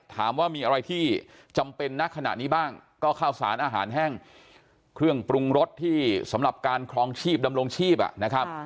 ถามว่ามีอะไรที่จำเป็นนักขณะนี้บ้างก็ข้าวสารอาหารแห้งเครื่องปรุงรสที่สำหรับการครองชีพดำรงชีพนะครับ